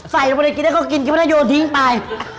ใส่ลงไปเลยกินให้เขากินกินไปแล้วโยนทิ้งไป